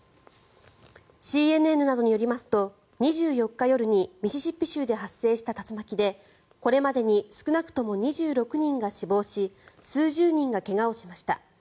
ＣＮＮなどによりますと２４日夜にミシシッピ州で発生した竜巻でこれまでに少なくとも２６人が死亡し数十人が怪我をしました。